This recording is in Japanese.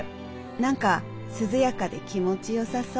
何か涼やかで気持ちよさそう。